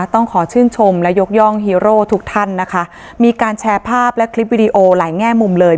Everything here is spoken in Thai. ต้องขอชื่นชมและยกย่องฮีโร่ทุกท่านนะคะมีการแชร์ภาพและคลิปวิดีโอหลายแง่มุมเลย